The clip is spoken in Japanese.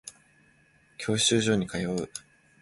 教習所に通う